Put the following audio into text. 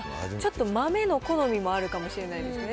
ちょっと豆の好みもあるかもしれないですね。